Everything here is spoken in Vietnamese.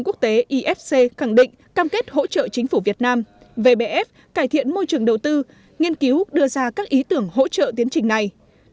cảm kết hỗ trợ chính phủ việt nam vbf cải thiện môi trường đầu tư nghiên cứu đưa ra các ý tưởng hỗ trợ tiến trình này